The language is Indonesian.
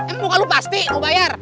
eh muka lu pasti gua bayar